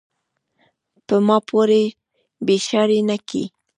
پۀ ما پورې پیشاړې نۀ کے ،